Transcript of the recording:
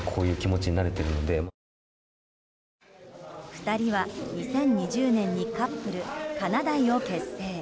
２人は２０２０年にカップルかなだいを結成。